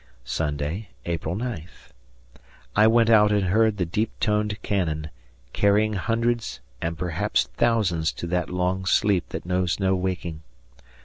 Sunday, April 9th. I went out and heard the deep toned cannon, carrying hundreds and perhaps thousands to that long sleep that knows no waking.